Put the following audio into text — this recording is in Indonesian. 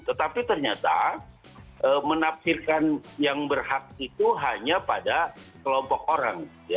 tetapi ternyata menafsirkan yang berhak itu hanya pada kelompok orang